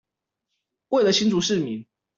為了新竹市民